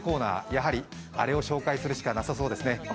やはり、あれを紹介するしかなさそうですね。